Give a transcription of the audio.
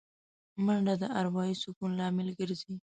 منډه د اروايي سکون لامل ګرځي